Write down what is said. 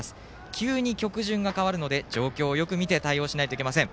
急に曲順が変わるので状況をよく見て対応しなくてはいけません。